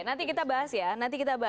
nanti kita bahas ya